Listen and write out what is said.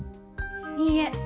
いいえ。